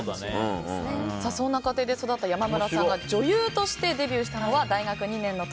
そんな家庭で育った山村さんが女優デビューしたのが大学２年の時。